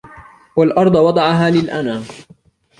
وَالأَرْضَ وَضَعَهَا لِلْأَنَامِ